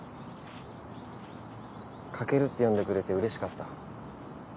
翔って呼んでくれてうれしかった。